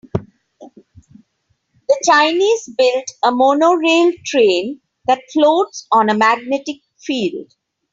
The Chinese built a monorail train that floats on a magnetic field.